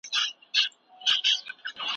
کتابونه یوازې د ازموینو لپاره نه لولل کیږي.